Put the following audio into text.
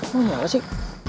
mau nyala sih